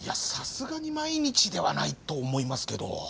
さすがに毎日ではないと思いますけど。